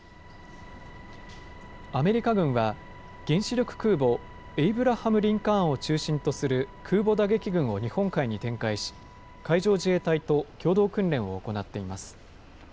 アメリカ軍は原子力空母、エイブラハム・リンカーンを中心とする空母打撃群を日本海に展開し海上自衛隊と共同訓練を行っています。